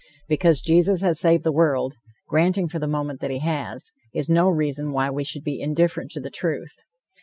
Because Jesus has saved the world, granting for the moment that he has, is no reason why we should be indifferent to the truth.